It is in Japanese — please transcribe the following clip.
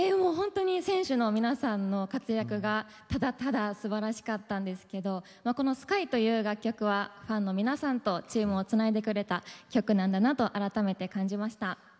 本当に選手の皆さんの活躍がただただすばらしかったんですけど「ＳＫＹ」という楽曲はファンの皆さんとチームをつないでくれた曲なんだなと改めて感じました。